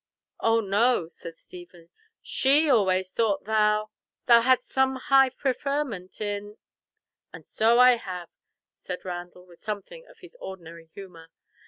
"O no," said Stephen. "She always thought thou—thou hadst some high preferment in—" "And so I have," said Randall with something of his ordinary humour.